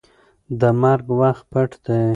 د مرګ وخت پټ دی.